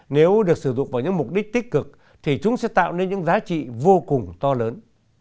nếu được sử dụng vào những mục đích tích cực thì chúng sẽ tạo nên những giá trị vô cùng to lớn